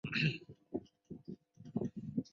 门内有高台甬路通往干清宫月台。